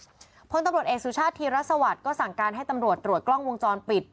ตำรวจพลตำรวจเอกสุชาติธีรสวัสดิ์ก็สั่งการให้ตำรวจตรวจกล้องวงจรปิด